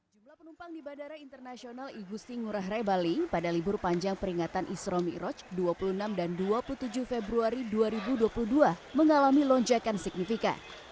jumlah penumpang di bandara internasional igusti ngurah rai bali pada libur panjang peringatan isra ⁇ iroj dua puluh enam dan dua puluh tujuh februari dua ribu dua puluh dua mengalami lonjakan signifikan